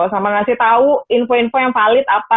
sama ngasih tahu info info yang valid apa